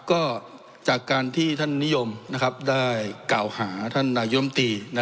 ก็จากการที่ท่านนิยมได้กล่าวหาท่านนายมตี